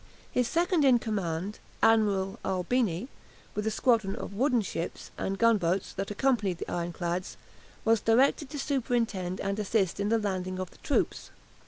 His second in command, Admiral Albini, with the squadron of wooden ships and gunboats that accompanied the ironclads, was directed to superintend and assist in the landing of the troops.